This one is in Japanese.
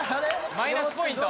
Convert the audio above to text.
・マイナスポイント？